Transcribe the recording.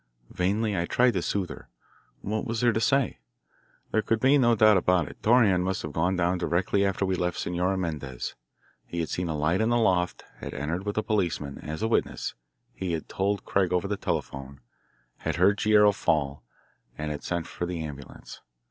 Vainly I tried to soothe her. What was there to say? There could be no doubt about it. Torreon must have gone down directly after we left Senora Mendez. He had seen a light in the loft, had entered with a policeman as a witness, he had told Craig over the telephone had heard Guerrero fall, and had sent for the ambulance.